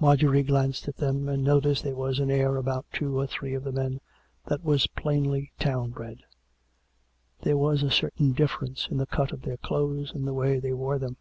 Marjorie glanced at them, and noticed there was an air about two or three of the men that was plainly town bred; there was a certain difference in the cut of their clothes and the way they wore them.